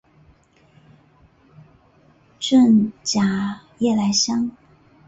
滇假夜来香